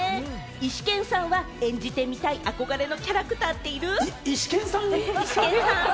イシケンさんは演じてみたい憧れのキャラクターっている？